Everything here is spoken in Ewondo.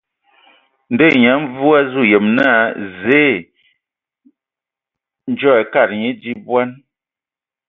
Ndɔ Nyia Mvu a azu yem naa Zǝǝ ndzo e akad nye di bɔn.